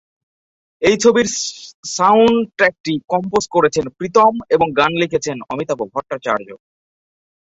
এই ছবির সাউণ্ড-ট্রেকটি কম্পোজ করেছেন প্রীতম এবং গান লিখেছেন অমিতাভ ভট্টাচার্য।